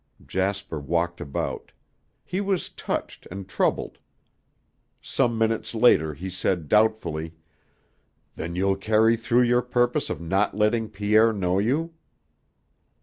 Jasper walked about. He was touched and troubled. Some minutes later he said doubtfully, "Then you'll carry through your purpose of not letting Pierre know you?"